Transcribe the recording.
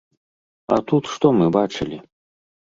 А тут што мы бачылі?